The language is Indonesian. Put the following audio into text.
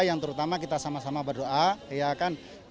yang terutama kita sama sama berdoa